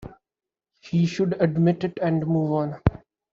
He should admit it and move on.